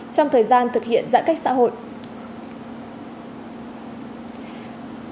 trong thời gian thực hiện giãn cách xã hội